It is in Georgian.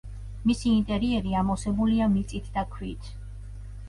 მისი ინტერიერი ამოვსებულია მიწით და ქვით.